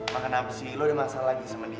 makan apes sih lo udah masalah lagi sama dia